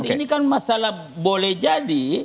ini kan masalah boleh jadi